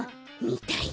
みたい。